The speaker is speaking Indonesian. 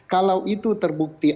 kalau itu terbukti